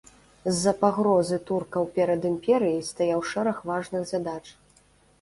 З-за пагрозы туркаў перад імперыяй стаяў шэраг важных задач.